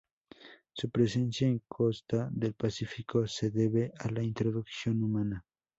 Su presencia en costa del Pacífico se debe a la introducción humana.